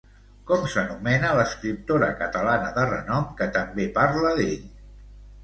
Com s'anomena l'escriptora catalana de renom que també parlà d'ell?